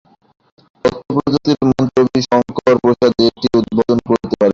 তথ্যপ্রযুক্তি মন্ত্রী রবি শংকর প্রসাদ এটি উদ্বোধন করতে পারেন।